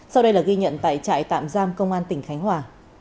sau đây là ghi nhận tại trại tạm giam công an tỉnh khánh hòa